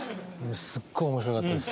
すっごい面白かったです。